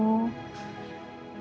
usaha untuk membujuk nino